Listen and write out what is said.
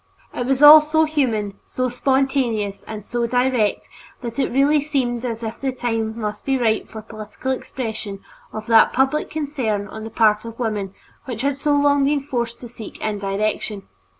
It was all so human, so spontaneous, and so direct that it really seemed as if the time must be ripe for political expression of that public concern on the part of women which had so long been forced to seek indirection.